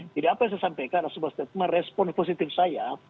jadi apa yang saya sampaikan adalah sebuah statement respons positif saya